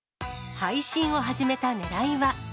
配信を始めたねらいは。